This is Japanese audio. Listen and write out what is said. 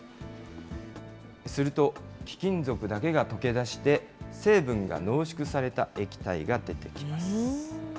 すると、貴金属だけが溶けだして、成分が濃縮された液体が出てきます。